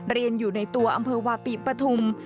เรียนอยู่ในตัวอำเภอวาปีปฐุม